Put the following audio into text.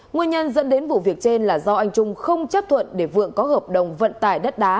nguyên nhân dẫn đến vụ việc trên là do anh trung không chấp thuận để vượng có hợp đồng vận tải đất đá